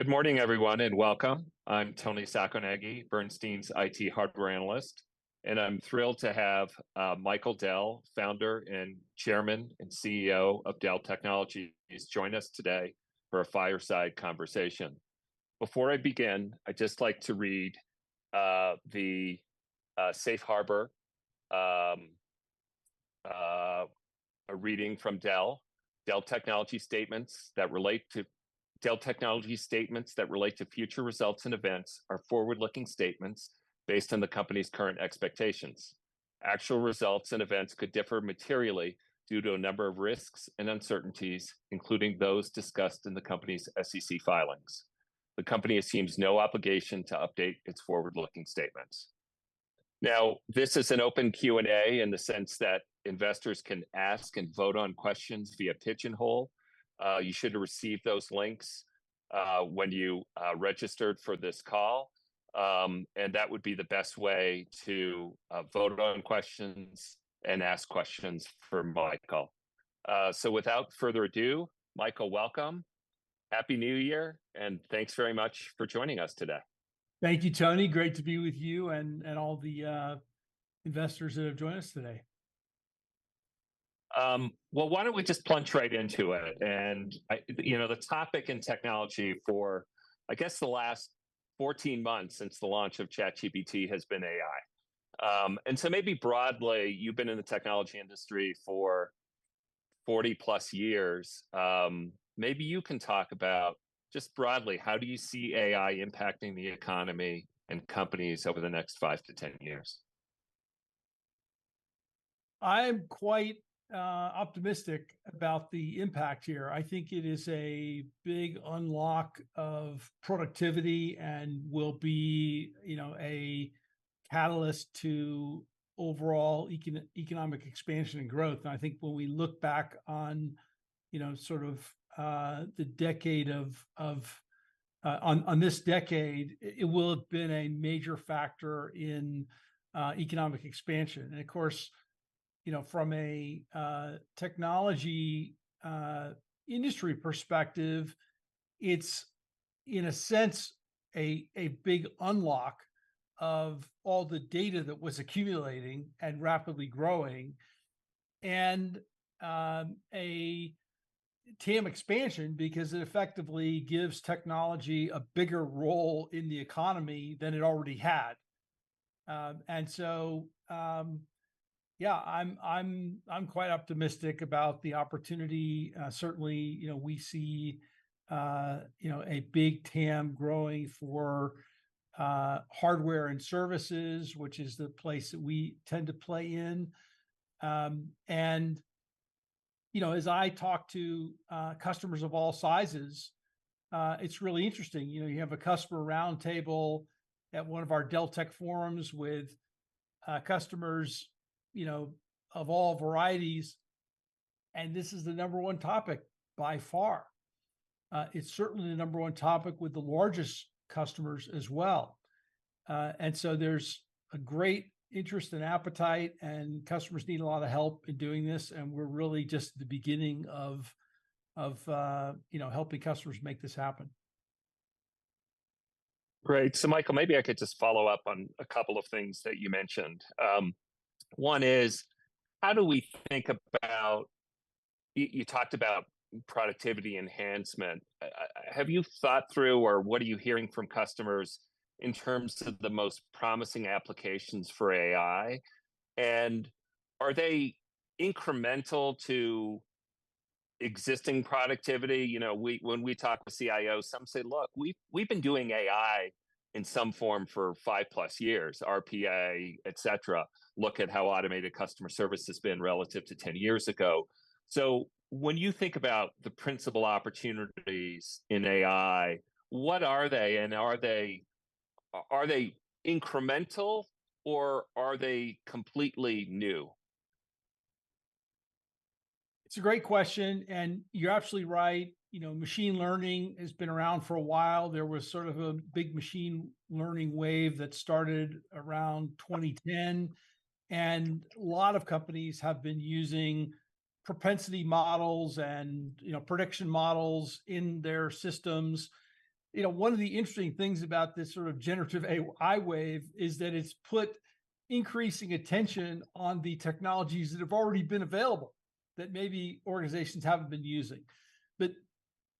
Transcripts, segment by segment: Good morning, everyone, and welcome. I'm Toni Sacconaghi, Bernstein's IT hardware analyst, and I'm thrilled to have Michael Dell, Founder, Chairman, and CEO of Dell Technologies, join us today for a fireside conversation. Before I begin, I'd just like to read the Safe Harbor, a reading from Dell. "Dell Technologies statements that relate to future results and events are forward-looking statements based on the company's current expectations. Actual results and events could differ materially due to a number of risks and uncertainties, including those discussed in the company's SEC filings. The company assumes no obligation to update its forward-looking statements." Now, this is an open Q&A in the sense that investors can ask and vote on questions via Pigeonhole. You should have received those links when you registered for this call. That would be the best way to vote on questions and ask questions for Michael. So without further ado, Michael, welcome. Happy New Year, and thanks very much for joining us today. Thank you, Toni. Great to be with you and all the investors that have joined us today. Well, why don't we just plunge right into it? You know, the topic in technology for, I guess, the last 14 months since the launch of ChatGPT has been AI. So maybe broadly, you've been in the technology industry for 40+ years. Maybe you can talk about, just broadly, how do you see AI impacting the economy and companies over the next five to 10 years? I am quite optimistic about the impact here. I think it is a big unlock of productivity and will be, you know, a catalyst to overall economic expansion and growth. And I think when we look back on, you know, sort of, the decade of this decade, it will have been a major factor in economic expansion. And, of course, you know, from a technology industry perspective, it's, in a sense, a big unlock of all the data that was accumulating and rapidly growing, and a TAM expansion because it effectively gives technology a bigger role in the economy than it already had. And so, yeah, I'm quite optimistic about the opportunity. Certainly, you know, we see, you know, a big TAM growing for, hardware and services, which is the place that we tend to play in. And, you know, as I talk to, customers of all sizes, it's really interesting. You know, you have a customer roundtable at one of our Dell Tech Forums with, customers, you know, of all varieties, and this is the number one topic by far. It's certainly the number one topic with the largest customers as well. And so there's a great interest and appetite, and customers need a lot of help in doing this, and we're really just at the beginning of, helping customers make this happen. Great. So, Michael, maybe I could just follow up on a couple of things that you mentioned. One is: how do we think about... you talked about productivity enhancement. Have you thought through, or what are you hearing from customers in terms of the most promising applications for AI, and are they incremental to existing productivity? You know, when we talk to CIOs, some say, "Look, we've been doing AI in some form for 5+ years, RPA, et cetera. Look at how automated customer service has been relative to 10 years ago." So, when you think about the principal opportunities in AI, what are they, and are they incremental, or are they completely new? It's a great question, and you're absolutely right. You know, machine learning has been around for a while. There was sort of a big machine learning wave that started around 2010, and a lot of companies have been using propensity models and, you know, prediction models in their systems. You know, one of the interesting things about this sort of generative AI wave is that it's put increasing attention on the technologies that have already been available, that maybe organizations haven't been using. But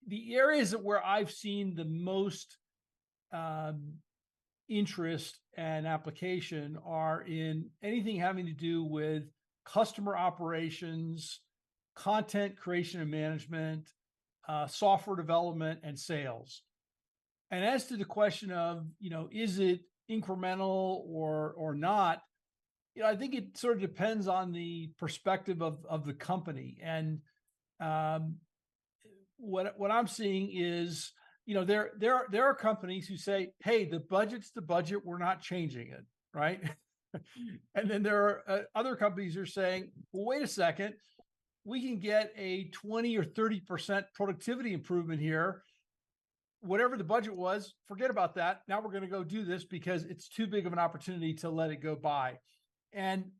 the areas where I've seen the most, interest and application are in anything having to do with customer operations, content creation and management, software development, and sales. And as to the question of, you know, is it incremental or not, you know, I think it sort of depends on the perspective of the company. And, what I'm seeing is, you know, there are companies who say, "Hey, the budget's the budget, we're not changing it," right? And then there are other companies who are saying, "Well, wait a second, we can get a 20%-30% productivity improvement here. Whatever the budget was, forget about that. Now we're gonna go do this, because it's too big of an opportunity to let it go by." And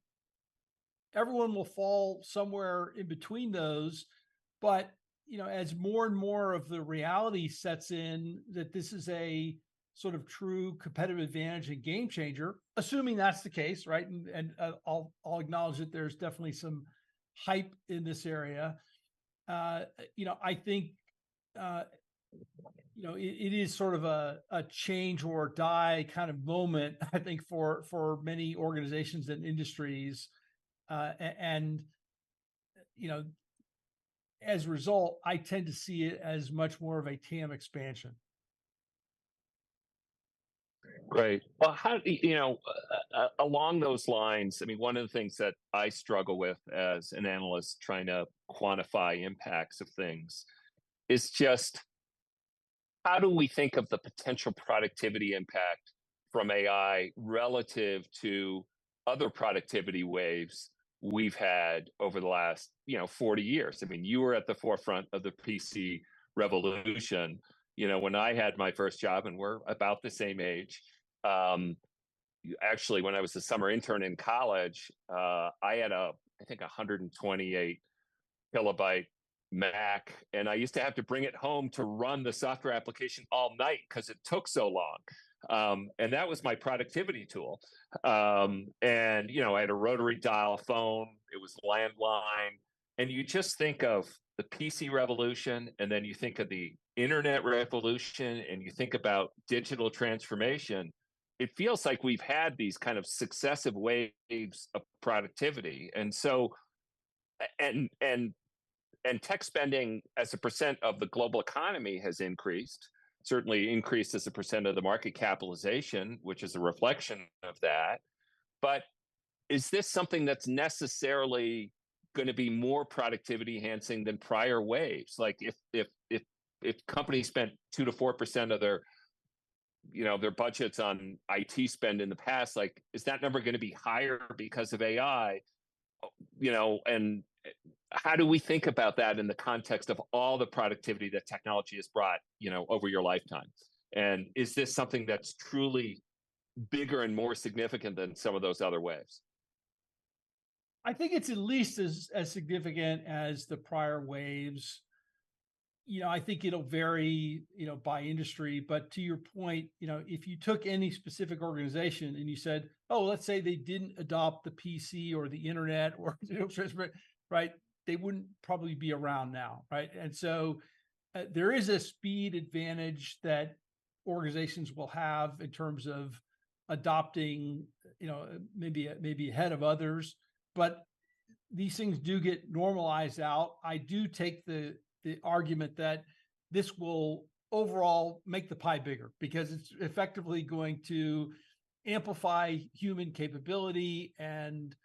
everyone will fall somewhere in between those but, you know, as more and more of the reality sets in, that this is a sort of true competitive advantage and game changer, assuming that's the case, right? And, I'll acknowledge that there's definitely some hype in this area. You know, I think, you know, it is sort of a change or die kind of moment, I think for many organizations and industries. And, you know, as a result, I tend to see it as much more of a TAM expansion. Great. Well, how, you know, along those lines, I mean, one of the things that I struggle with as an analyst trying to quantify impacts of things, is just how do we think of the potential productivity impact from AI relative to other productivity waves we've had over the last, you know, 40 years? I mean, you were at the forefront of the PC revolution. You know, when I had my first job, and we're about the same age, actually, when I was a summer intern in college, I had a, I think, 128 KB Mac, and I used to have to bring it home to run the software application all night 'cause it took so long. And, you know, I had a rotary dial phone, it was landline. You just think of the PC revolution, and then you think of the internet revolution, and you think about digital transformation. It feels like we've had these kind of successive waves of productivity. And so, tech spending as a percent of the global economy has increased, certainly increased as a percent of the market capitalization, which is a reflection of that. But is this something that's necessarily gonna be more productivity-enhancing than prior waves? Like, if companies spent 2%-4% of their, you know, their budgets on IT spend in the past, like, is that number gonna be higher because of AI? You know, and, how do we think about that in the context of all the productivity that technology has brought, you know, over your lifetime? Is this something that's truly bigger and more significant than some of those other waves? I think it's at least as, as significant as the prior waves. You know, I think it'll vary, you know, by industry, but to your point, you know, if you took any specific organization and you said, "Oh," let's say they didn't adopt the PC or the internet or digital transformat- right? They wouldn't probably be around now, right? And so, there is a speed advantage that organizations will have in terms of adopting, you know, maybe, maybe ahead of others, but these things do get normalized out. I do take the, the argument that this will overall make the pie bigger, because it's effectively going to amplify human capability, and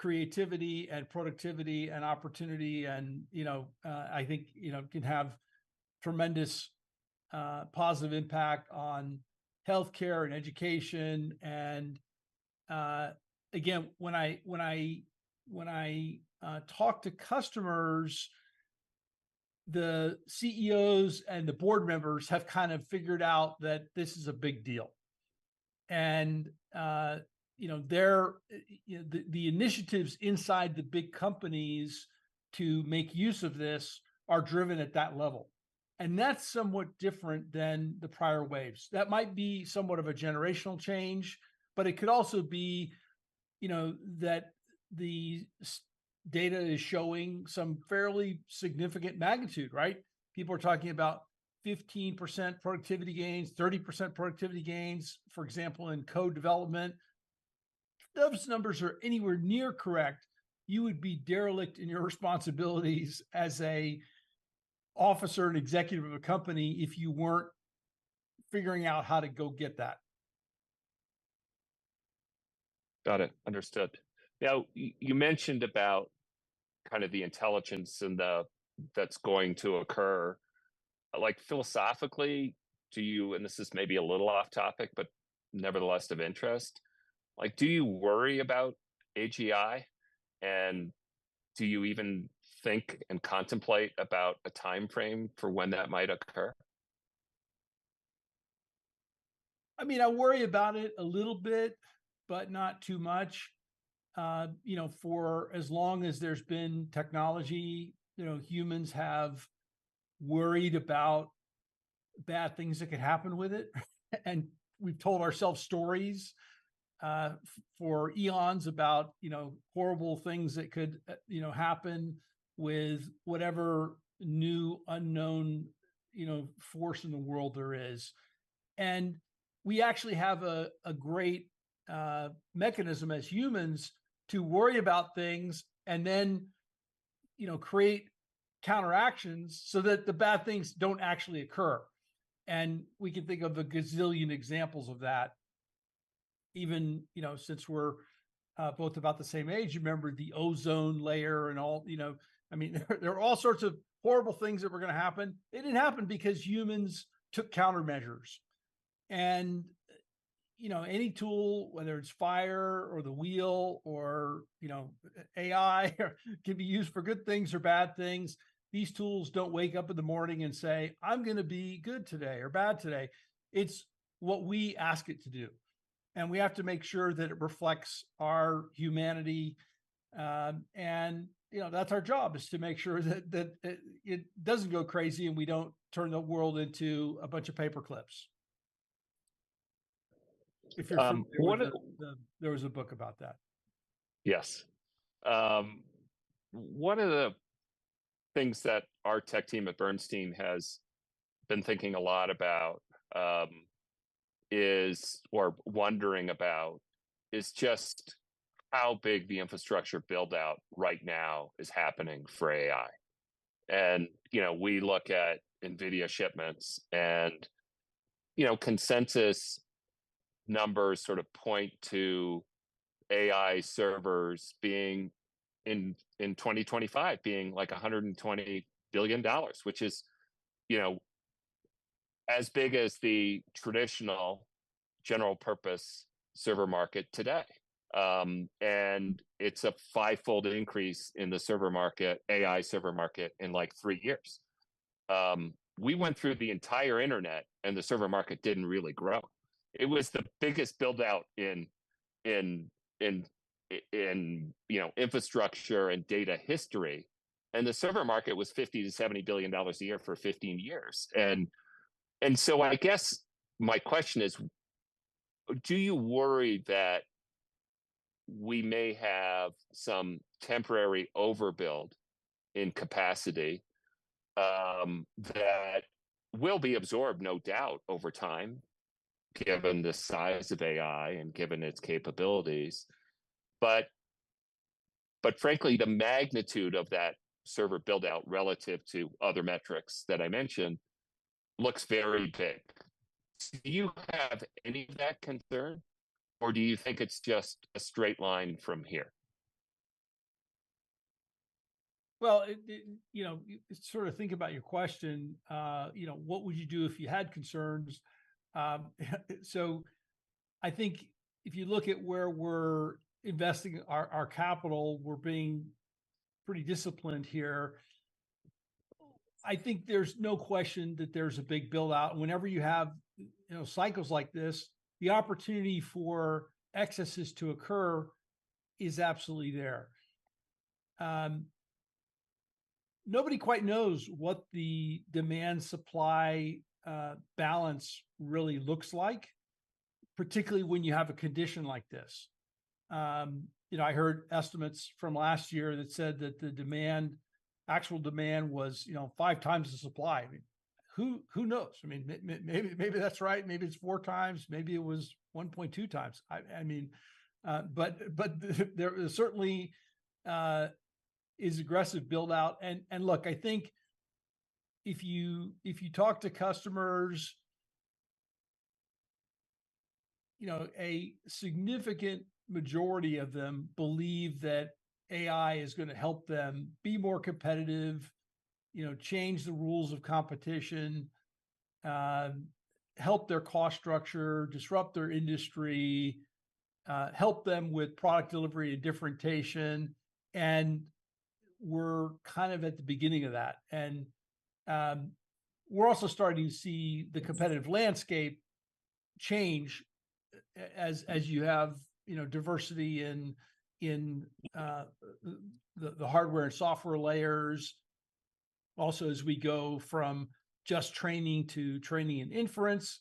creativity, and productivity, and opportunity, and, you know, I think, you know, can have tremendous positive impact on healthcare and education. And, again, when I talk to customers, the CEOs and the board members have kind of figured out that this is a big deal. And, you know, the initiatives inside the big companies to make use of this are driven at that level, and that's somewhat different than the prior waves. That might be somewhat of a generational change, but it could also be, you know, that the data is showing some fairly significant magnitude, right? People are talking about 15% productivity gains, 30% productivity gains, for example, in code development. If those numbers are anywhere near correct, you would be derelict in your responsibilities as an officer and executive of a company if you weren't figuring out how to go get that. Got it. Understood. Now, you mentioned about kind of the intelligence and the... that's going to occur. Like, philosophically, to you, and this is maybe a little off-topic, but nevertheless of interest, like, do you worry about AGI, and do you even think and contemplate about a timeframe for when that might occur? I mean, I worry about it a little bit, but not too much. You know, for as long as there's been technology, you know, humans have worried about bad things that could happen with it. And we've told ourselves stories for eons about, you know, horrible things that could happen with whatever new, unknown, you know, force in the world there is. And we actually have a great mechanism as humans to worry about things and then, you know, create counteractions so that the bad things don't actually occur. And we can think of a gazillion examples of that. Even, you know, since we're both about the same age, you remember the ozone layer and all, you know. I mean, there are all sorts of horrible things that were gonna happen. It didn't happen because humans took countermeasures. You know, any tool, whether it's fire, or the wheel, or, you know, AI, can be used for good things or bad things. These tools don't wake up in the morning and say, "I'm gonna be good today or bad today." It's what we ask it to do... and we have to make sure that it reflects our humanity. And, you know, that's our job, is to make sure that it doesn't go crazy, and we don't turn the world into a bunch of paperclips. one of the- There was a book about that. Yes. One of the things that our tech team at Bernstein has been thinking a lot about, or wondering about, is just how big the infrastructure build-out right now is happening for AI. And, you know, we look at NVIDIA shipments, and, you know, consensus numbers sort of point to AI servers being in 2025, being, like, $120 billion, which is, you know, as big as the traditional general purpose server market today. And it's a 5x increase in the server market, AI server market, in, like, three years. We went through the entire internet, and the server market didn't really grow. It was the biggest build-out in infrastructure and data history, and the server market was $50-70 billion a year for 15 years. So, I guess my question is: Do you worry that we may have some temporary overbuild in capacity, that will be absorbed, no doubt, over time, given the size of AI and given its capabilities? But, frankly, the magnitude of that server build-out relative to other metrics that I mentioned looks very big. Do you have any of that concern, or do you think it's just a straight line from here? Well, you know, sort of thinking about your question, you know, what would you do if you had concerns? So I think if you look at where we're investing our capital, we're being pretty disciplined here. I think there's no question that there's a big build-out. Whenever you have, you know, cycles like this, the opportunity for excesses to occur is absolutely there. Nobody quite knows what the demand-supply balance really looks like, particularly when you have a condition like this. You know, I heard estimates from last year that said that the demand, actual demand was, you know, 5x the supply. Who knows? I mean, maybe that's right, maybe it's 4x, maybe it was 1.2x. I mean, but there certainly is aggressive build-out. Look, I think if you talk to customers, you know, a significant majority of them believe that AI is gonna help them be more competitive, you know, change the rules of competition, help their cost structure, disrupt their industry, help them with product delivery and differentiation, and we're kind of at the beginning of that. We're also starting to see the competitive landscape change as you have, you know, diversity in the hardware and software layers. Also, as we go from just training to inference.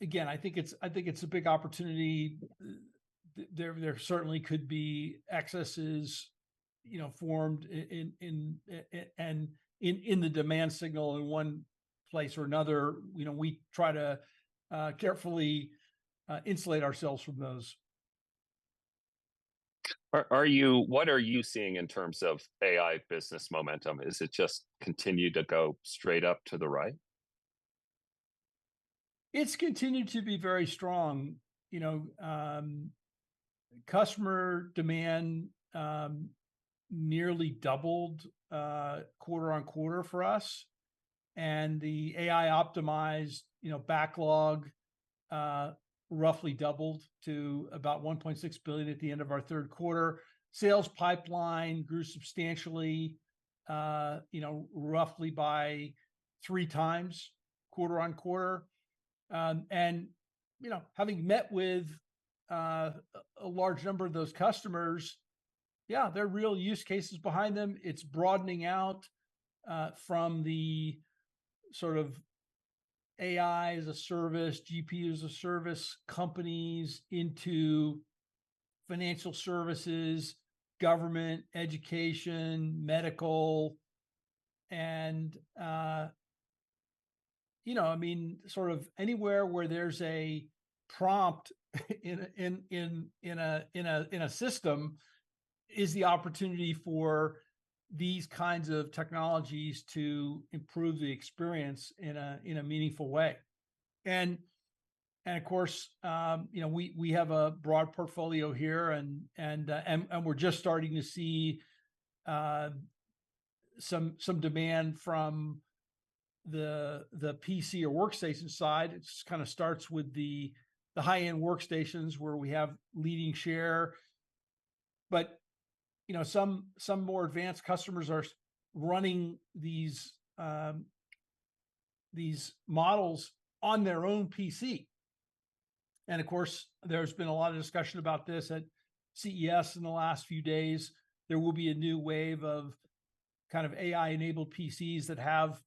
Again, I think it's a big opportunity. There certainly could be excesses, you know, formed in AI and in the demand signal in one place or another. You know, we try to carefully insulate ourselves from those. Are you... What are you seeing in terms of AI business momentum? Is it just continue to go straight up to the right? It's continued to be very strong. You know, customer demand nearly doubled quarter-on-quarter for us, and the AI-optimized, you know, backlog roughly doubled to about $1.6 billion at the end of our third quarter. Sales pipeline grew substantially, you know, roughly by 3x quarter-on-quarter. And, you know, having met with a large number of those customers, yeah, there are real use cases behind them. It's broadening out from the sort of AI-as-a-Service, GPU-as-a-Service, companies into financial services, government, education, medical, and... You know, I mean, sort of anywhere where there's a prompt in a system is the opportunity for these kinds of technologies to improve the experience in a meaningful way. Of course, you know, we have a broad portfolio here, and we're just starting to see some demand from the PC or workstation side. It kind of starts with the high-end workstations, where we have leading share. But, you know, some more advanced customers are running these models on their own PC. And of course, there's been a lot of discussion about this at CES in the last few days. There will be a new wave of kind of AI-enabled PCs that have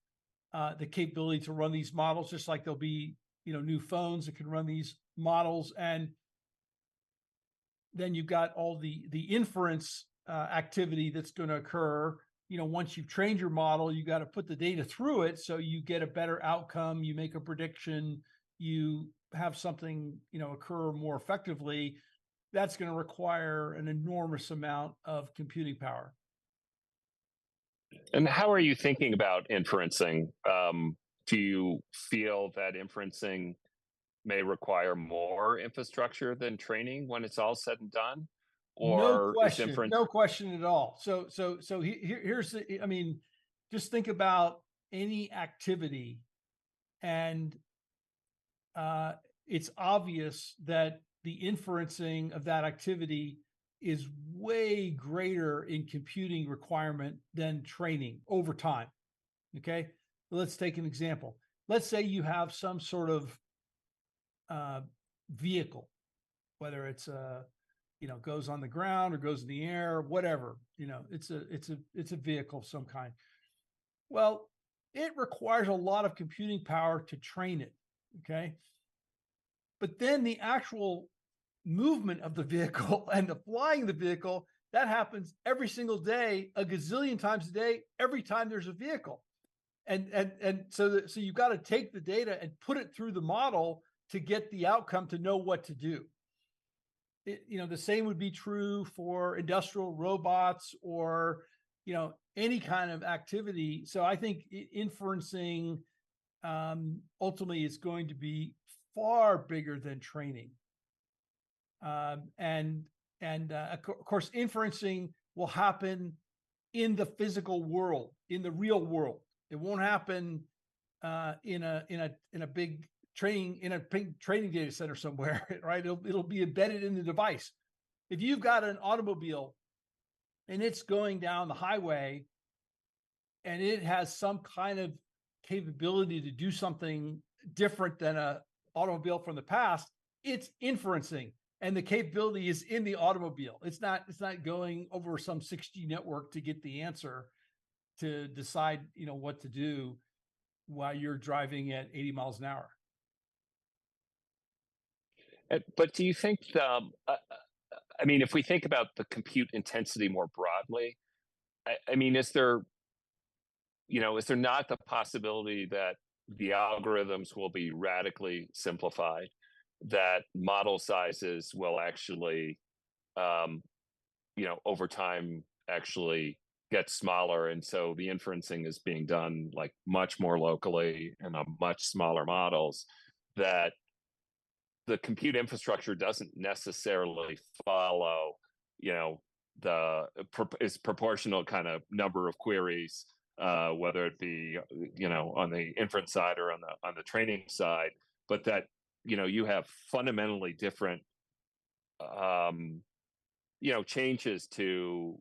the capability to run these models, just like there'll be, you know, new phones that can run these models. And then you've got all the inference activity that's gonna occur. You know, once you've trained your model, you've got to put the data through it so you get a better outcome, you make a prediction, you have something, you know, occur more effectively. That's gonna require an enormous amount of computing power. How are you thinking about inferencing? Do you feel that inferencing may require more infrastructure than training when it's all said and done? Or is inference- No question. No question at all. So here, here's the... I mean, just think about any activity, and it's obvious that the inferencing of that activity is way greater in computing requirement than training over time, okay? Let's take an example. Let's say you have some sort of vehicle, whether it's a you know goes on the ground or goes in the air, whatever. You know, it's a vehicle of some kind. Well, it requires a lot of computing power to train it, okay? But then the actual movement of the vehicle and the flying the vehicle, that happens every single day, a gazillion times a day, every time there's a vehicle. And so the, so you've got to take the data and put it through the model to get the outcome to know what to do. It, you know, the same would be true for industrial robots or, you know, any kind of activity. So I think inferencing ultimately is going to be far bigger than training. And of course, inferencing will happen in the physical world, in the real world. It won't happen in a big training data center somewhere, right? It'll be embedded in the device. If you've got an automobile and it's going down the highway, and it has some kind of capability to do something different than an automobile from the past, it's inferencing, and the capability is in the automobile. It's not going over some 6G network to get the answer to decide, you know, what to do while you're driving at 80 mph. But do you think, I mean, if we think about the compute intensity more broadly, I mean, is there, you know, is there not the possibility that the algorithms will be radically simplified, that model sizes will actually, you know, over time, actually get smaller, and so the inferencing is being done, like, much more locally in a much smaller models, that the compute infrastructure doesn't necessarily follow, you know, the prop- it's proportional kind of number of queries, whether it be, you know, on the inference side or on the, on the training side, but that, you know, you have fundamentally different, changes to,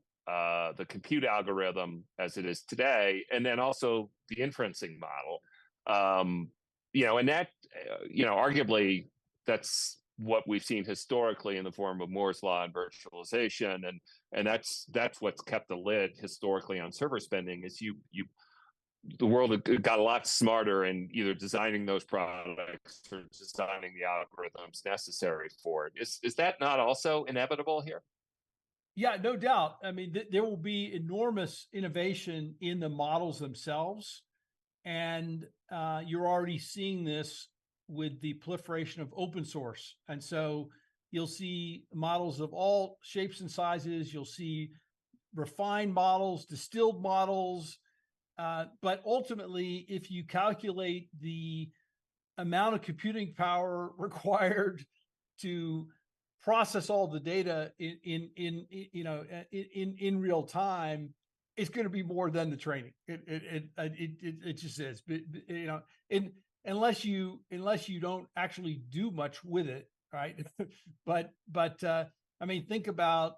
the compute algorithm as it is today, and then also the inferencing model? You know, and that, you know, arguably, that's what we've seen historically in the form of Moore's Law and virtualization, and that's what's kept the lid historically on server spending. The world has got a lot smarter in either designing those products or designing the algorithms necessary for it. Is that not also inevitable here? Yeah, no doubt. I mean, there will be enormous innovation in the models themselves, and you're already seeing this with the proliferation of open source. And so you'll see models of all shapes and sizes, you'll see refined models, distilled models, but ultimately, if you calculate the amount of computing power required to process all the data in real time, it's gonna be more than the training. It just is. But you know, unless you don't actually do much with it, right? But I mean, think about,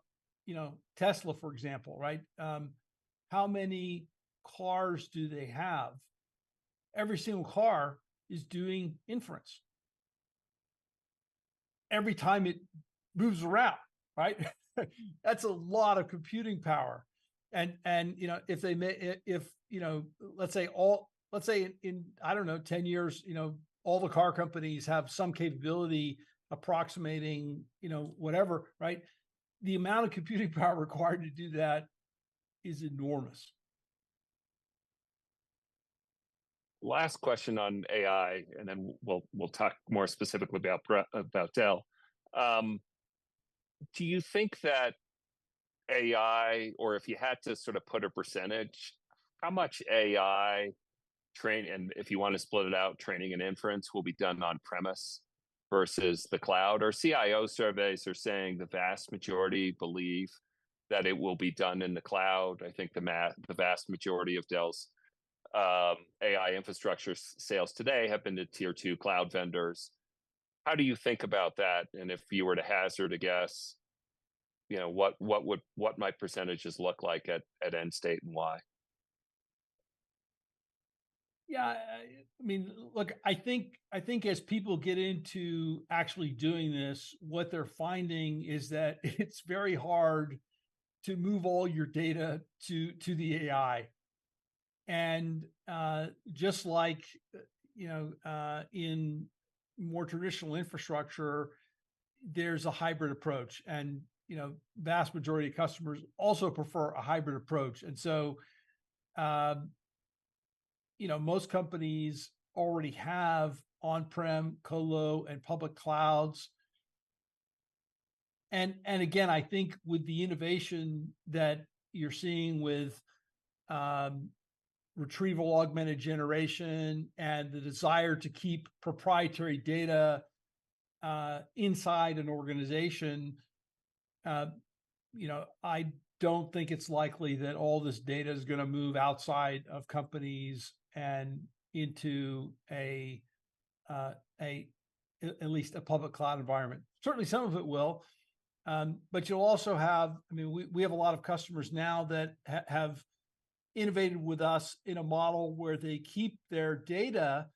you know, Tesla, for example, right? How many cars do they have? Every single car is doing inference every time it moves around, right? That's a lot of computing power. And you know, if you know, let's say all. Let's say in, I don't know, 10 years, you know, all the car companies have some capability approximating, you know, whatever, right? The amount of computing power required to do that is enormous. Last question on AI, and then we'll talk more specifically about Dell. Do you think that AI, or if you had to sort of put a percentage, how much AI training, and if you want to split it out, training and inference will be done on-premise versus the cloud. Our CIO surveys are saying the vast majority believe that it will be done in the cloud. I think the vast majority of Dell's AI infrastructure sales today have been to Tier 2 cloud vendors. How do you think about that? And if you were to hazard a guess, you know, what might percentages look like at end state and why? Yeah, I mean, look, I think as people get into actually doing this, what they're finding is that it's very hard to move all your data to the AI. And just like, you know, in more traditional infrastructure, there's a hybrid approach. And you know, vast majority of customers also prefer a hybrid approach. And so, you know, most companies already have on-prem colo and public clouds. And again, I think with the innovation that you're seeing with Retrieval-Augmented Generation, and the desire to keep proprietary data inside an organization, you know, I don't think it's likely that all this data is gonna move outside of companies and into at least a public cloud environment. Certainly, some of it will, but you'll also have... I mean, we have a lot of customers now that have innovated with us in a model where they keep their data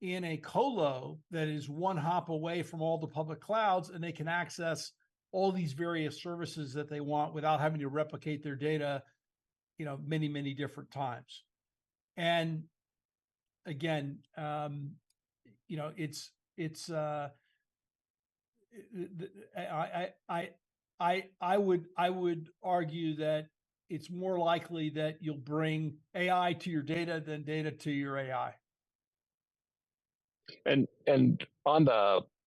in a colo that is one hop away from all the public clouds, and they can access all these various services that they want without having to replicate their data, you know, many, many different times. And again, you know, it's I would argue that it's more likely that you'll bring AI to your data than data to your AI.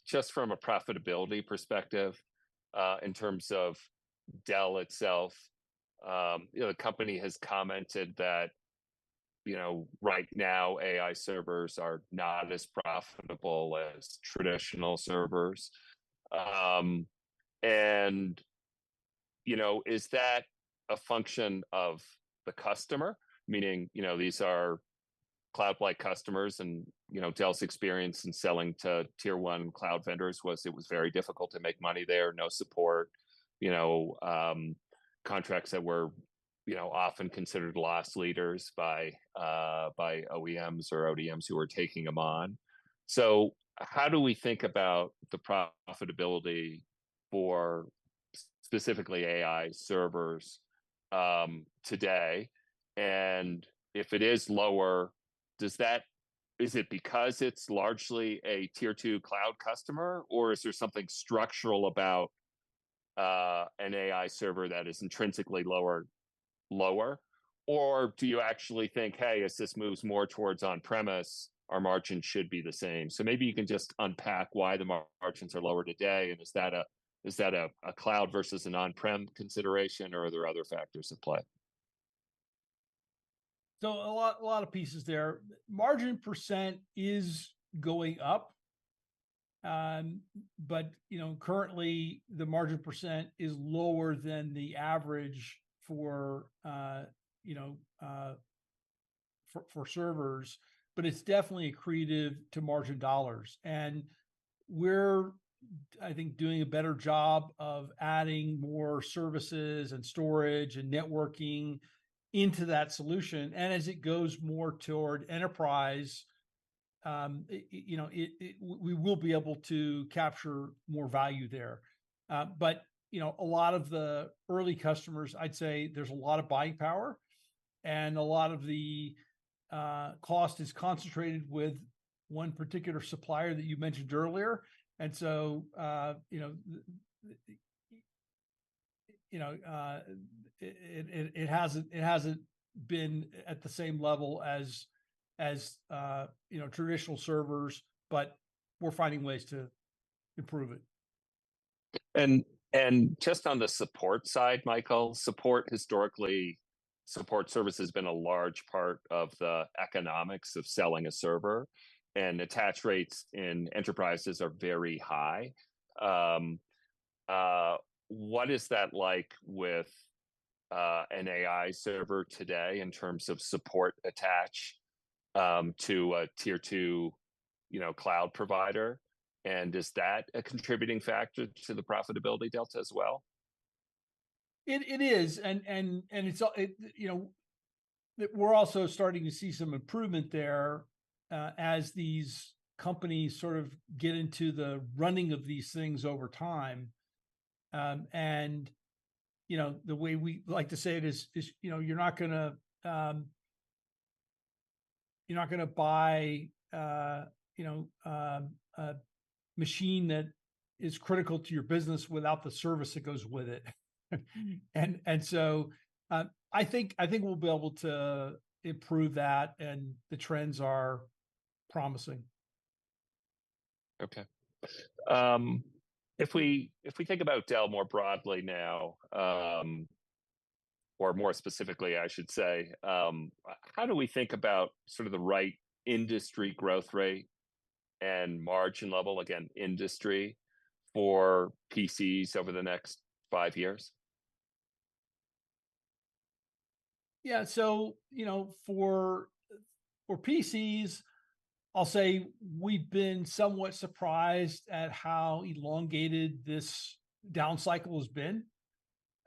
Just from a profitability perspective, in terms of Dell itself, you know, the company has commented that, you know, right now, AI servers are not as profitable as traditional servers. And, you know, is that a function of the customer? Meaning, you know, these are cloud-like customers and, you know, Dell's experience in selling to Tier 1 cloud vendors was it was very difficult to make money there, no support, you know, contracts that were, you know, often considered loss leaders by, by OEMs or ODMs who are taking them on. So how do we think about the profitability for specifically AI servers, today? And if it is lower, is it because it's largely a Tier 2 cloud customer, or is there something structural about, an AI server that is intrinsically lower? Or do you actually think, "Hey, as this moves more towards on-premise, our margins should be the same?" So maybe you can just unpack why the margins are lower today, and is that a cloud versus an on-prem consideration, or are there other factors at play? So a lot, a lot of pieces there. Margin percentage is going up, but, you know, currently, the margin percentage is lower than the average for servers, but it's definitely accretive to margin dollars. And we're, I think, doing a better job of adding more services, and storage, and networking into that solution. And as it goes more toward enterprise, you know, it, it, we will be able to capture more value there. But, you know, a lot of the early customers, I'd say, there's a lot of buying power, and a lot of the, cost is concentrated with one particular supplier that you mentioned earlier. So, you know, it hasn't been at the same level as you know, traditional servers, but we're finding ways to improve it. Just on the support side, Michael, support historically, support service has been a large part of the economics of selling a server, and attach rates in enterprises are very high. What is that like with an AI server today in terms of support attach to a Tier 2, you know, cloud provider? And is that a contributing factor to the profitability of Dell as well? It is, and it's... you know... We're also starting to see some improvement there, as these companies sort of get into the running of these things over time. And, you know, the way we like to say it is, you know, you're not gonna buy a machine that is critical to your business without the service that goes with it. And so, I think we'll be able to improve that, and the trends are promising. Okay. If we, if we think about Dell more broadly now, or more specifically, I should say, how do we think about sort of the right industry growth rate and margin level, again, industry, for PCs over the next five years?... Yeah, so, you know, for PCs, I'll say we've been somewhat surprised at how elongated this down cycle has been.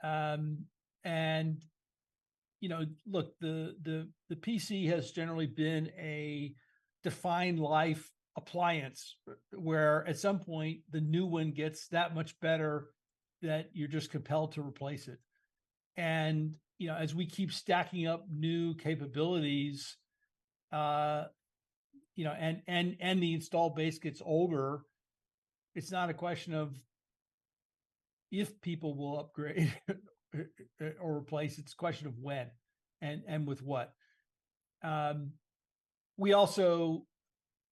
And, you know, look, the PC has generally been a defined life appliance, where at some point, the new one gets that much better that you're just compelled to replace it. And, you know, as we keep stacking up new capabilities, you know, and the install base gets older, it's not a question of if people will upgrade or replace, it's a question of when and with what. We also, you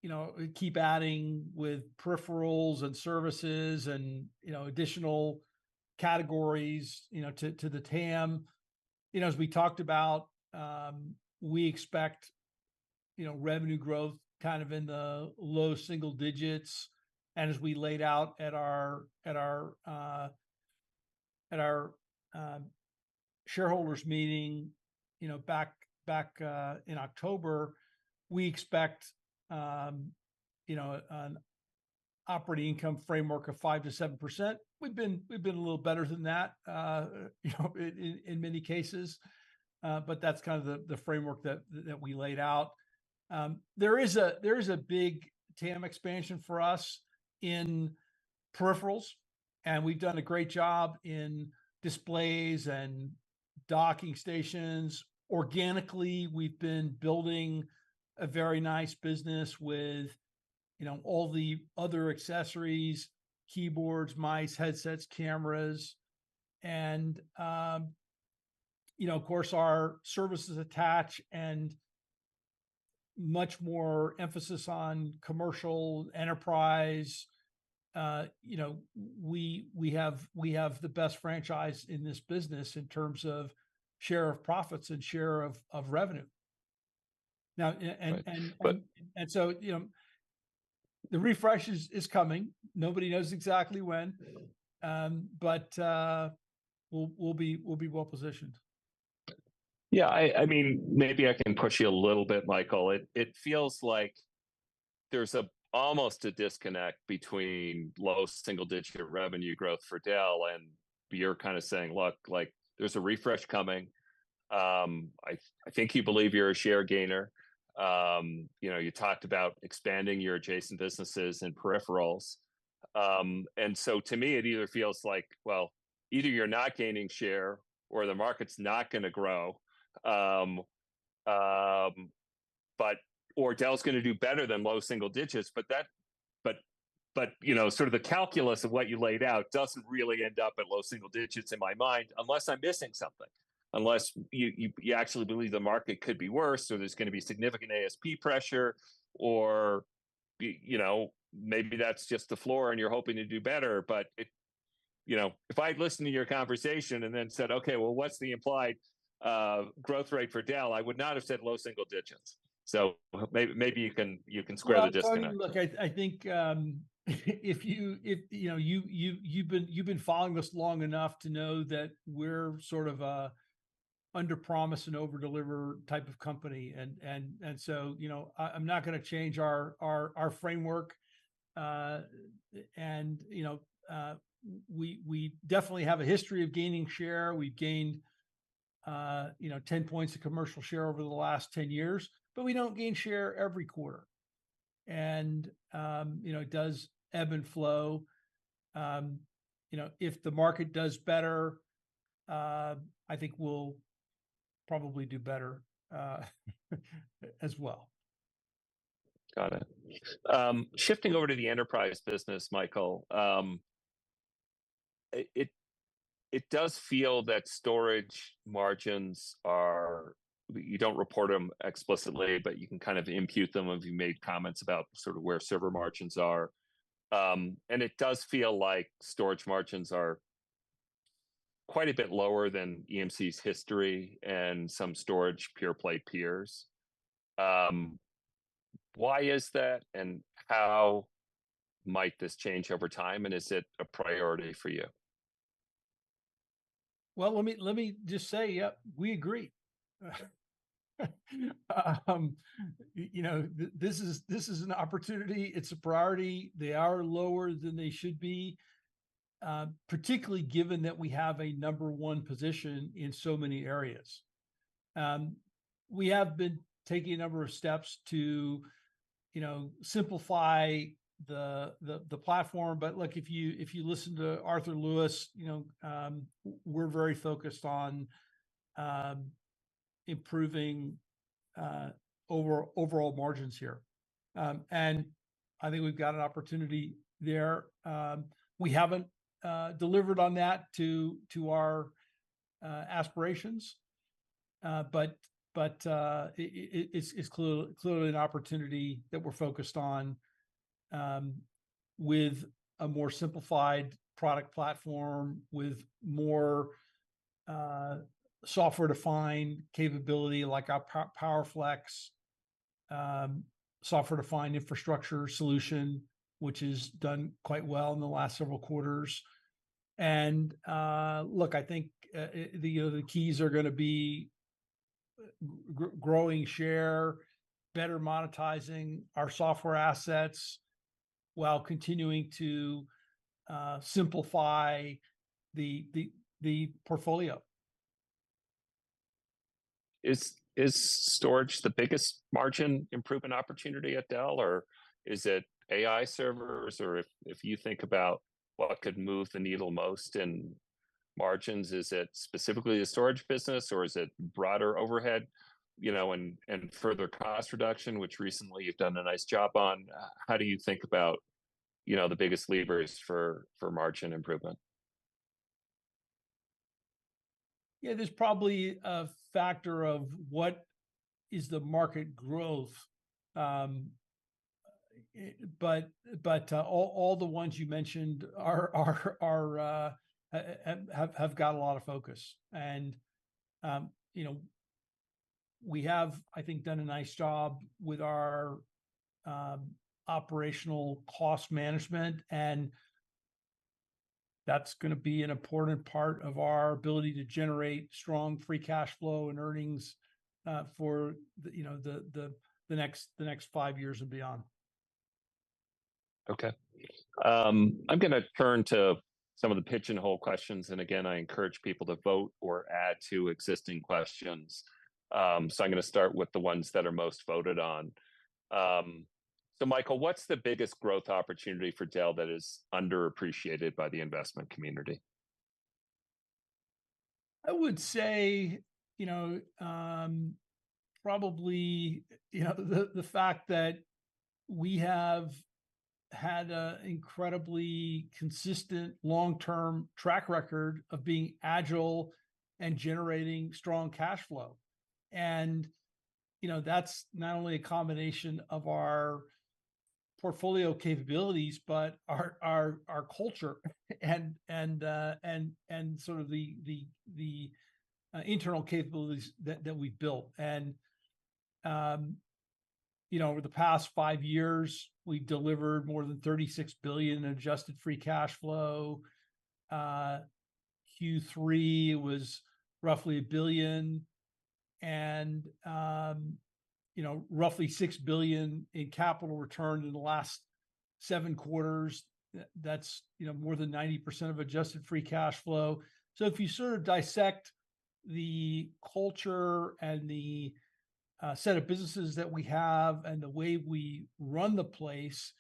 know, keep adding with peripherals and services and, you know, additional categories, you know, to the TAM. You know, as we talked about, we expect, you know, revenue growth kind of in the low single digits, and as we laid out at our Shareholders' Meeting, you know, back in October, we expect, you know, an operating income framework of 5%-7%. We've been a little better than that, you know, in many cases. But that's kind of the framework that we laid out. There is a big TAM expansion for us in peripherals, and we've done a great job in displays and docking stations. Organically, we've been building a very nice business with, you know, all the other accessories, keyboards, mice, headsets, cameras. And, you know, of course, our services attach and much more emphasis on commercial enterprise. You know, we have the best franchise in this business in terms of share of profits and share of revenue. Right, but- And so, you know, the refresh is coming. Nobody knows exactly when, but we'll be well-positioned. Yeah, I mean, maybe I can push you a little bit, Michael. It feels like there's almost a disconnect between low single-digit revenue growth for Dell, and you're kind of saying, "Look, like, there's a refresh coming." I think you believe you're a share gainer. You know, you talked about expanding your adjacent businesses and peripherals. And so to me, it either feels like, well, either you're not gaining share or the market's not gonna grow. But or Dell's gonna do better than low single digits, but you know, sort of the calculus of what you laid out doesn't really end up at low single digits in my mind, unless I'm missing something. Unless you actually believe the market could be worse, or there's gonna be significant ASP pressure, or you know, maybe that's just the floor and you're hoping to do better. But it... You know, if I'd listened to your conversation and then said, "Okay, well, what's the implied growth rate for Dell?" I would not have said low single digits. So maybe you can square the disconnect. Well, Toni, look, I think, if you know, you've been following us long enough to know that we're sort of a under-promise and over-deliver type of company. And so, you know, I'm not gonna change our framework. And, you know, we definitely have a history of gaining share. We've gained, you know, 10 points of commercial share over the last 10 years, but we don't gain share every quarter. And, you know, it does ebb and flow. You know, if the market does better, I think we'll probably do better, as well. Got it. Shifting over to the enterprise business, Michael. It does feel that storage margins are... You don't report them explicitly, but you can kind of impute them if you made comments about sort of where server margins are. And it does feel like storage margins are quite a bit lower than EMC's history and some storage pure-play peers. Why is that, and how might this change over time, and is it a priority for you? Well, let me just say, yep, we agree. You know, this is an opportunity, it's a priority. They are lower than they should be, particularly given that we have a number one position in so many areas. We have been taking a number of steps to, you know, simplify the platform. But, look, if you listen to Arthur Lewis, you know, we're very focused on improving overall margins here. And I think we've got an opportunity there. We haven't delivered on that to our aspirations, but it is clearly an opportunity that we're focused on, with a more simplified product platform, with more software-defined capability, like our PowerFlex... software-defined infrastructure solution, which has done quite well in the last several quarters. And, look, I think you know, the keys are gonna be growing share, better monetizing our software assets, while continuing to simplify the portfolio. Is storage the biggest margin improvement opportunity at Dell, or is it AI servers? Or if you think about what could move the needle most in margins, is it specifically the storage business, or is it broader overhead, you know, and further cost reduction, which recently you've done a nice job on? How do you think about, you know, the biggest levers for margin improvement? Yeah, there's probably a factor of what is the market growth, but all the ones you mentioned have got a lot of focus. And, you know, we have, I think, done a nice job with our operational cost management, and that's gonna be an important part of our ability to generate strong free cash flow and earnings, for the, you know, the next five years and beyond. Okay. I'm gonna turn to some of the Pigeonhole questions, and again, I encourage people to vote or add to existing questions. So I'm gonna start with the ones that are most voted on. So Michael, what's the biggest growth opportunity for Dell that is underappreciated by the investment community? I would say, you know, probably, you know, the fact that we have had an incredibly consistent long-term track record of being agile and generating strong cash flow. And, you know, that's not only a combination of our portfolio capabilities, but our culture, and sort of the internal capabilities that we've built. And, you know, over the past five years, we've delivered more than $36 billion in adjusted free cash flow. Q3 was roughly $1 billion, and, you know, roughly $6 billion in capital return in the last seven quarters. That's, you know, more than 90% of adjusted free cash flow. So if you sort of dissect the culture, and the set of businesses that we have, and the way we run the place,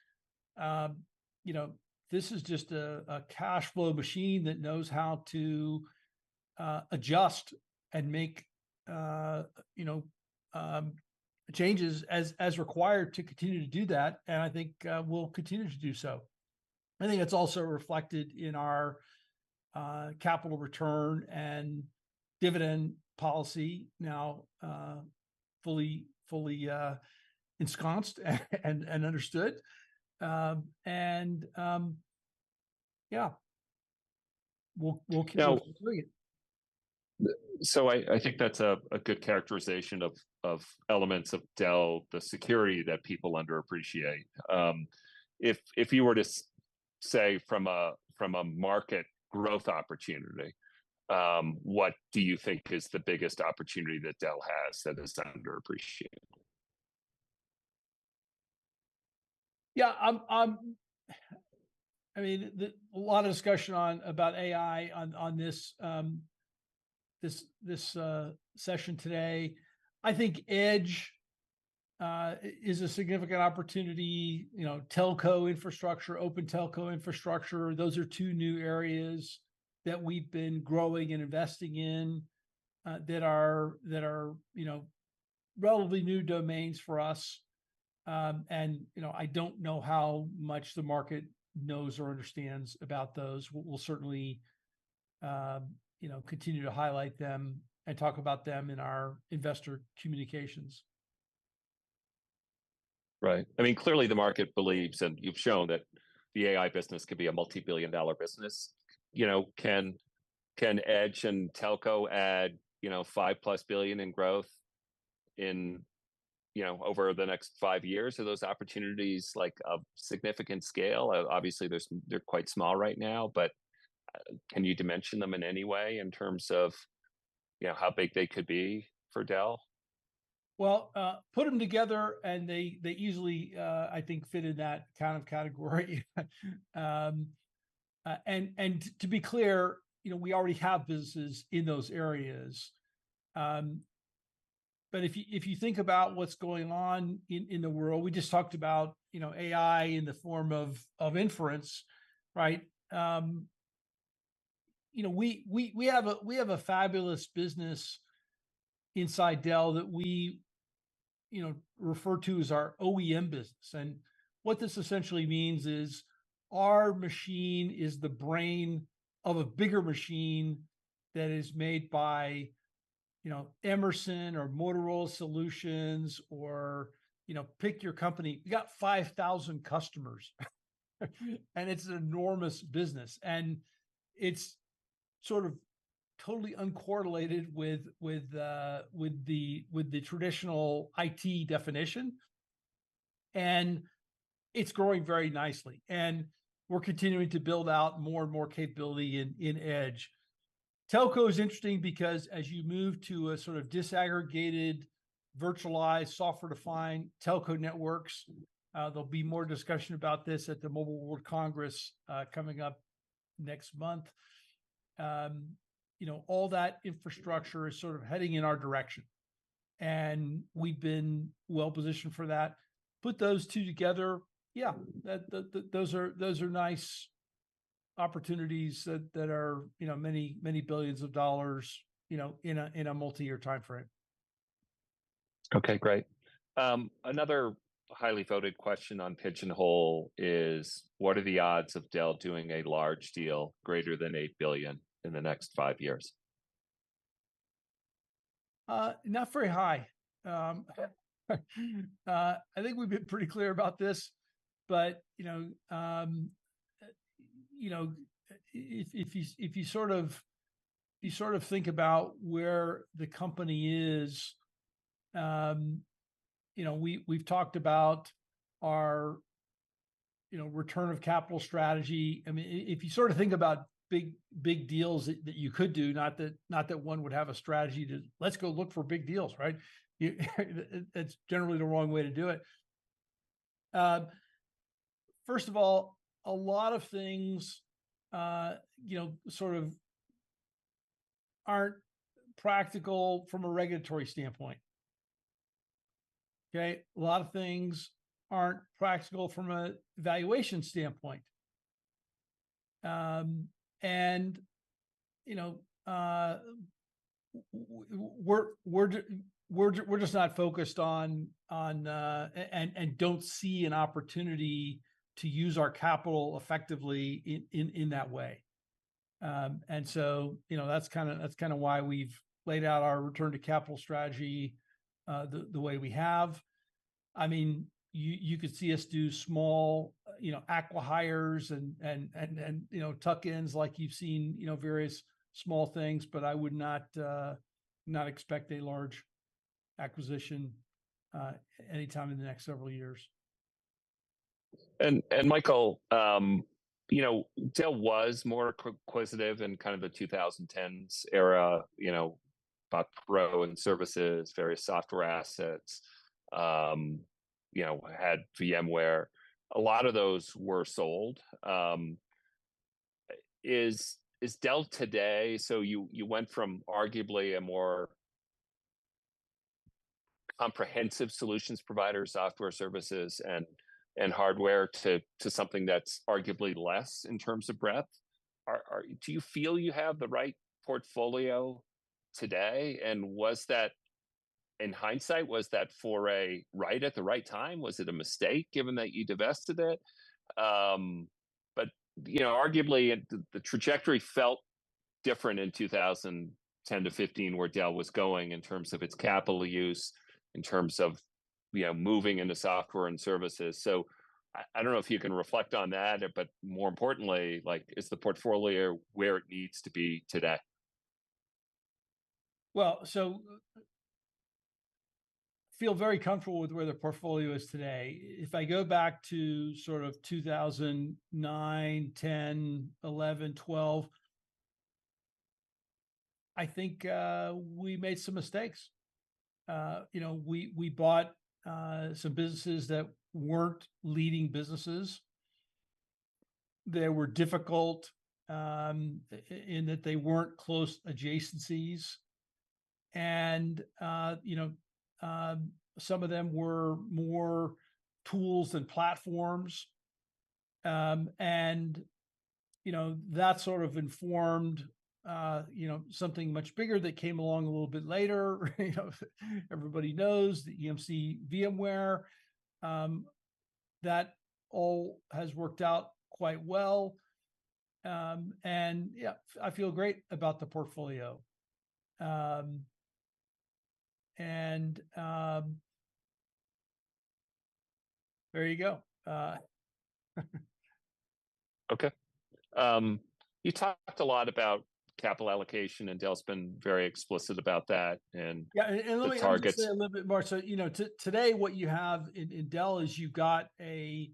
you know, this is just a cash flow machine that knows how to adjust and make, you know, changes as required to continue to do that, and I think we'll continue to do so. I think it's also reflected in our capital return and dividend policy now, fully ensconced and understood. And yeah, we'll continue to do it. Now, so I think that's a good characterization of elements of Dell, the security that people underappreciate. If you were to say from a market growth opportunity, what do you think is the biggest opportunity that Dell has that is underappreciated? Yeah, I mean, a lot of discussion about AI on this session today. I think Edge is a significant opportunity. You know, Telco infrastructure, Open Telco infrastructure, those are two new areas that we've been growing and investing in, that are, you know, relatively new domains for us. And you know, I don't know how much the market knows or understands about those. We'll certainly, you know, continue to highlight them and talk about them in our investor communications. Right. I mean, clearly the market believes, and you've shown that the AI business could be a multi-billion dollar business. You know, can, can Edge and telco add, you know, $5+ billion in growth in, you know, over the next five years? Are those opportunities like, of significant scale? Obviously, they're quite small right now, but, can you dimension them in any way in terms of, you know, how big they could be for Dell? Well, put them together, and they, they easily, I think, fit in that kind of category. And, and to be clear, you know, we already have businesses in those areas. But if you, if you think about what's going on in, in the world, we just talked about, you know, AI in the form of, of inference, right? You know, we, we, we have a, we have a fabulous business inside Dell that we, you know, refer to as our OEM business, and what this essentially means is our machine is the brain of a bigger machine that is made by, you know, Emerson or Motorola Solutions, or, you know, pick your company. We got 5,000 customers, and it's an enormous business, and it's sort of totally uncorrelated with, with, with the, with the traditional IT definition, and it's growing very nicely. We're continuing to build out more and more capability in Edge. Telco is interesting because as you move to a sort of disaggregated, virtualized, software-defined telco networks, there'll be more discussion about this at the Mobile World Congress coming up next month. You know, all that infrastructure is sort of heading in our direction, and we've been well-positioned for that. Put those two together, yeah, that those are nice opportunities that are, you know, many, many billions of dollars, you know, in a multi-year timeframe. Okay, great. Another highly voted question on Pigeonhole is: What are the odds of Dell doing a large deal greater than $8 billion in the next five years? Not very high. I think we've been pretty clear about this, but, you know, you know, if you sort of think about where the company is. You know, we've talked about our return of capital strategy. I mean, if you sort of think about big deals that you could do, not that one would have a strategy to, "Let's go look for big deals," right? That's generally the wrong way to do it. First of all, a lot of things, you know, sort of, aren't practical from a regulatory standpoint, okay? A lot of things aren't practical from a valuation standpoint. And, you know, we're just not focused on, and don't see an opportunity to use our capital effectively in that way. And so, you know, that's kinda why we've laid out our return to capital strategy, the way we have. I mean, you could see us do small, you know, acqui-hires and, you know, tuck-ins like you've seen, you know, various small things, but I would not expect a large acquisition anytime in the next several years. Michael, you know, Dell was more acquisitive in kind of the 2010s era, you know, about products and services, various software assets, you know, had VMware. A lot of those were sold. Is Dell today... So you went from arguably a more comprehensive solutions provider, software, services, and hardware to something that's arguably less in terms of breadth. Do you feel you have the right portfolio today? And was that, in hindsight, was that foray right at the right time? Was it a mistake, given that you divested it? But you know, arguably, the trajectory felt different in 2010 to 2015, where Dell was going in terms of its capital use, in terms of, you know, moving into software and services. So I don't know if you can reflect on that, but more importantly, like, is the portfolio where it needs to be today? Well, so, feel very comfortable with where the portfolio is today. If I go back to sort of 2009, 2010, 2011, 2012, I think, we made some mistakes. You know, we, we bought, some businesses that weren't leading businesses. They were difficult, in that they weren't close adjacencies, and, you know, some of them were more tools than platforms. And, you know, that sort of informed, you know, something much bigger that came along a little bit later, you know, everybody knows, the EMC, VMware. That all has worked out quite well. And yeah, I feel great about the portfolio. And, there you go. Okay. You talked a lot about capital allocation, and Dell's been very explicit about that, and- Yeah, let me-... the targets Say a little bit more. So, you know, today what you have in Dell is you've got a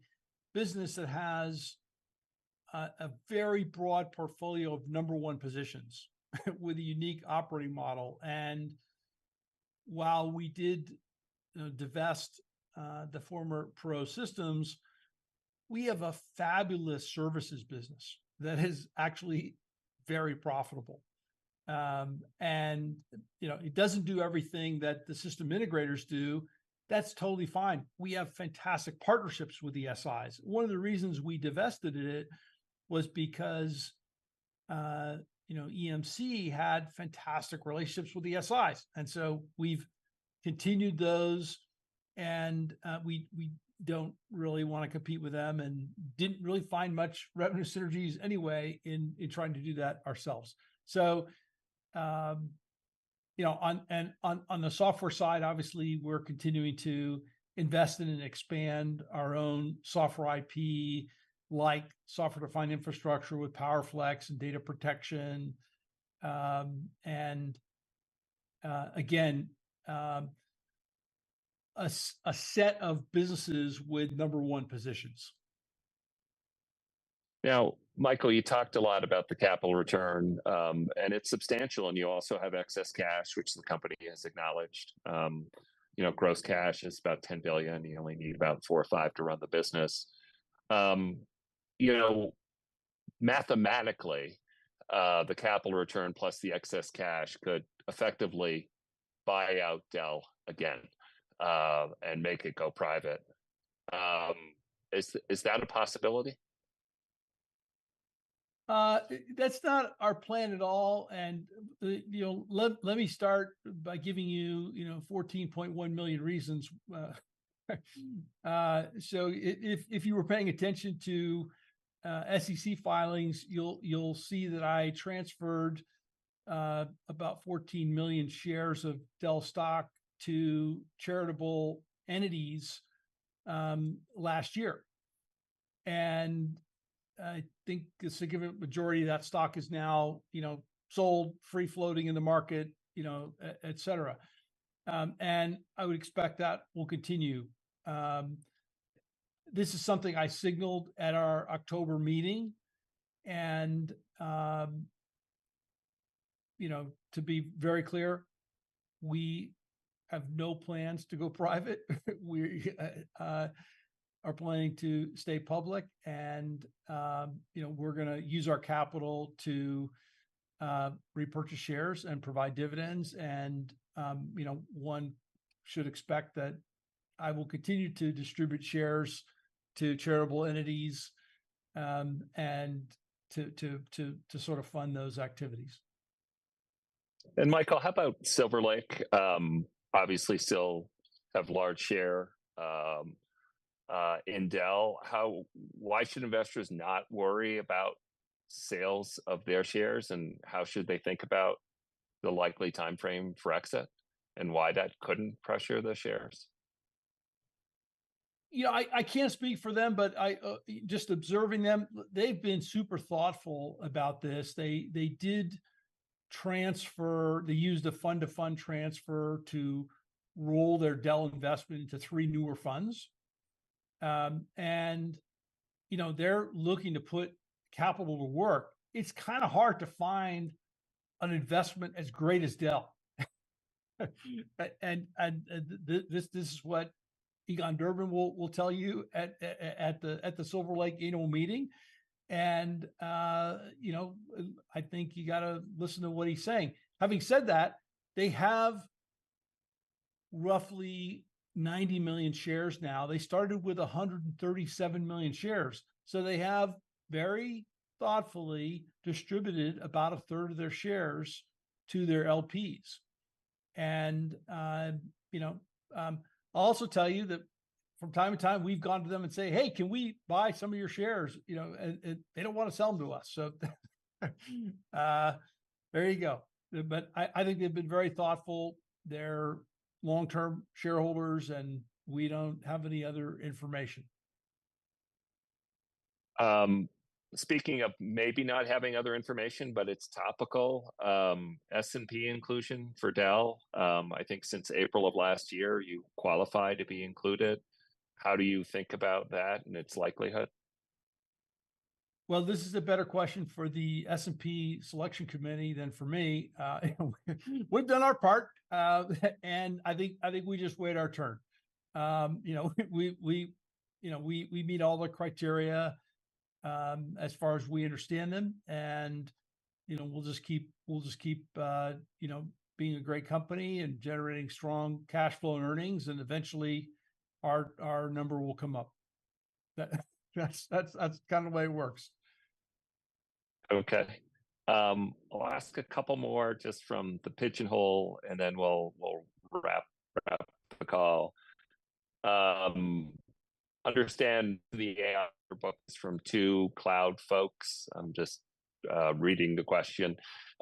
business that has a very broad portfolio of number one positions, with a unique operating model. And while we did divest the former Perot Systems, we have a fabulous services business that is actually very profitable. And, you know, it doesn't do everything that the system integrators do. That's totally fine. We have fantastic partnerships with the SIs. One of the reasons we divested it was because, you know, EMC had fantastic relationships with the SIs, and so we've continued those, and we don't really wanna compete with them and didn't really find much revenue synergies anyway in trying to do that ourselves. So,... You know, on and on, on the software side, obviously, we're continuing to invest in and expand our own software IP, like software-defined infrastructure with PowerFlex and data protection. And again, a set of businesses with number one positions. Now, Michael, you talked a lot about the capital return, and it's substantial, and you also have excess cash, which the company has acknowledged. You know, gross cash is about $10 billion, you only need about $4 billion or $5 billion to run the business. You know, mathematically, the capital return plus the excess cash could effectively buy out Dell again, and make it go private. Is that a possibility? That's not our plan at all, and, you know, let me start by giving you, you know, 14.1 million reasons. So if you were paying attention to SEC filings, you'll see that I transferred about 14 million shares of Dell stock to charitable entities last year. I think a significant majority of that stock is now, you know, sold, free-floating in the market, you know, et cetera. I would expect that will continue. This is something I signaled at our October meeting, and, you know, to be very clear, we have no plans to go private. We are planning to stay public, and, you know, we're gonna use our capital to repurchase shares and provide dividends. You know, one should expect that I will continue to distribute shares to charitable entities, and to sort of fund those activities. Michael, how about Silver Lake? Obviously still have large share in Dell. How... Why should investors not worry about sales of their shares, and how should they think about the likely timeframe for exit, and why that couldn't pressure the shares? You know, I can't speak for them, but I just observing them, they've been super thoughtful about this. They used a fund-to-fund transfer to roll their Dell investment into three newer funds. You know, they're looking to put capital to work. It's kind of hard to find an investment as great as Dell. This is what Egon Durban will tell you at the Silver Lake annual meeting, and you know, I think you gotta listen to what he's saying. Having said that, they have roughly 90 million shares now. They started with 137 million shares, so they have very thoughtfully distributed about 1/3 of their shares to their LPs. You know, I'll also tell you that from time to time, we've gone to them and say, "Hey, can we buy some of your shares?" You know, and they don't wanna sell them to us, so there you go. But I think they've been very thoughtful, they're long-term shareholders, and we don't have any other information. Speaking of maybe not having other information, but it's topical, S&P 500 inclusion for Dell, I think since April of last year, you qualify to be included. How do you think about that and its likelihood? Well, this is a better question for the S&P Selection Committee than for me. We've done our part, and I think, I think we just wait our turn. You know, we meet all the criteria, as far as we understand them, and, you know, we'll just keep being a great company and generating strong cash flow and earnings, and eventually our number will come up. That's kind of the way it works. Okay. I'll ask a couple more just from the Pigeonhole, and then we'll wrap the call. Understand the AI reports from two cloud folks. I'm just reading the question.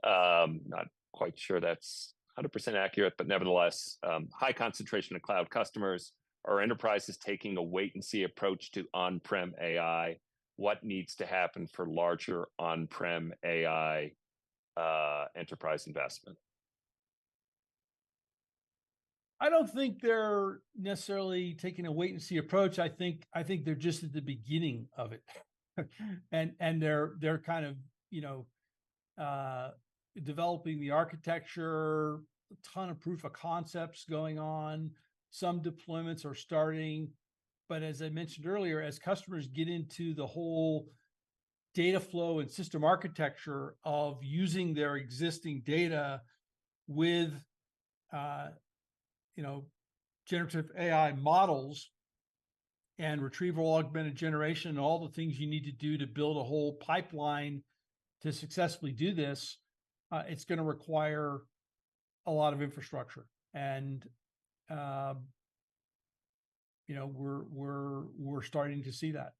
Not quite sure that's 100% accurate, but nevertheless, high concentration of cloud customers. Are enterprises taking a wait and see approach to on-prem AI? What needs to happen for larger on-prem AI enterprise investment? I don't think they're necessarily taking a wait and see approach, I think, I think they're just at the beginning of it. And they're kind of, you know, developing the architecture, a ton of proof of concepts going on, some deployments are starting. But as I mentioned earlier, as customers get into the whole data flow and system architecture of using their existing data with, you know, generative AI models, and retrieval-augmented generation, and all the things you need to do to build a whole pipeline to successfully do this, it's gonna require a lot of infrastructure. And, you know, we're starting to see that....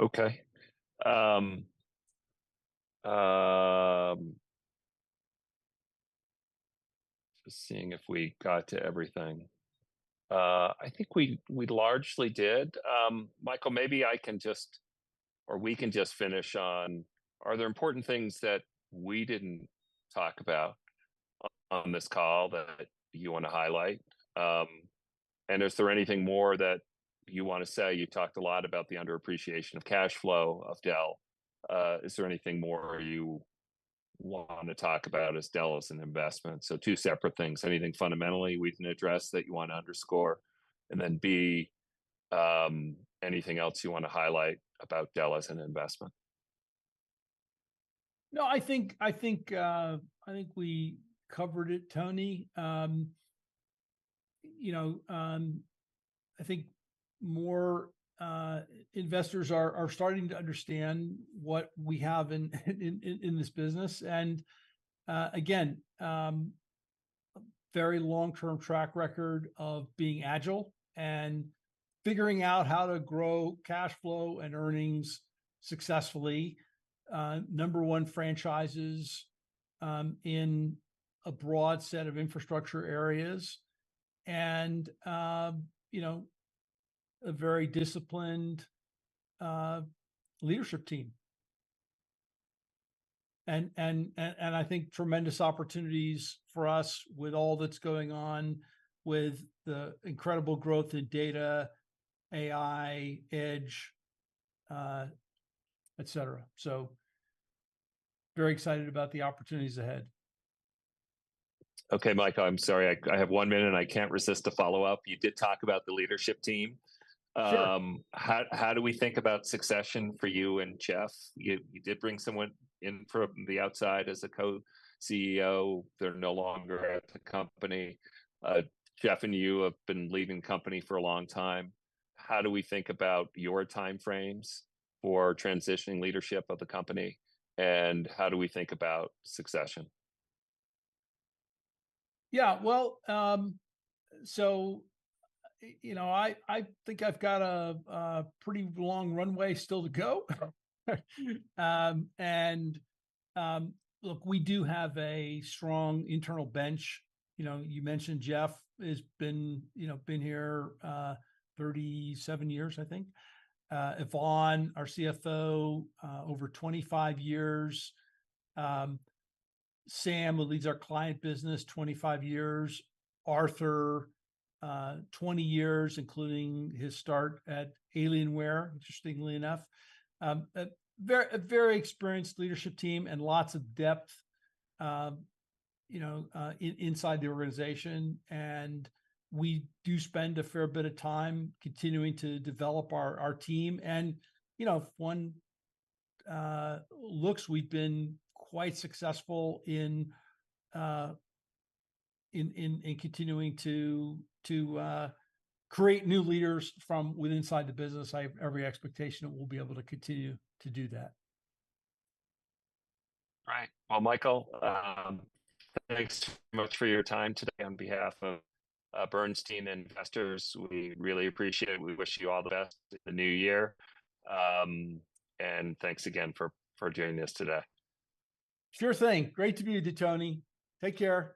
Okay. Just seeing if we got to everything. I think we largely did. Michael, maybe I can just, or we can just finish on, are there important things that we didn't talk about on this call that you wanna highlight? And is there anything more that you wanna say? You talked a lot about the underappreciation of cash flow of Dell. Is there anything more you want to talk about as Dell as an investment? So two separate things. Anything fundamentally we didn't address that you want to underscore, and then, B, anything else you want to highlight about Dell as an investment? No, I think we covered it, Toni. You know, I think more investors are starting to understand what we have in this business. And again, very long-term track record of being agile and figuring out how to grow cash flow and earnings successfully. Number one franchises in a broad set of infrastructure areas and you know, a very disciplined leadership team. And I think tremendous opportunities for us with all that's going on with the incredible growth in data, AI, Edge, et cetera. So very excited about the opportunities ahead. Okay, Michael, I'm sorry, I have one minute, and I can't resist a follow-up. You did talk about the leadership team. Sure. How do we think about succession for you and Jeff? You did bring someone in from the outside as a co-CEO. They're no longer at the company. Jeff and you have been leading the company for a long time. How do we think about your timeframes for transitioning leadership of the company, and how do we think about succession? Yeah, well, you know, I think I've got a pretty long runway still to go. And look, we do have a strong internal bench. You know, you mentioned Jeff has been, you know, been here 37 years, I think. Yvonne, our CFO, over 25 years. Sam, who leads our client business, 25 years. Arthur, 20 years, including his start at Alienware, interestingly enough. A very experienced leadership team and lots of depth, you know, inside the organization, and we do spend a fair bit of time continuing to develop our team. You know, if one looks, we've been quite successful in continuing to create new leaders from within the business. I have every expectation that we'll be able to continue to do that. Right. Well, Michael, thanks very much for your time today on behalf of Bernstein investors. We really appreciate it. We wish you all the best in the new year. And thanks again for doing this today. Sure thing. Great to be with you, Toni. Take care.